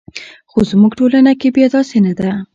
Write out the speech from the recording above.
خو زموږ ټولنه کې بیا داسې نه ده.